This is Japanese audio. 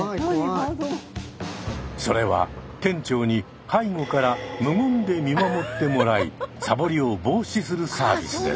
それは店長に背後から無言で見守ってもらいサボりを防止するサービスです。